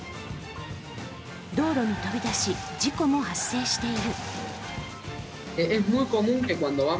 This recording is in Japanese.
道路に飛び出し、事故も発生している。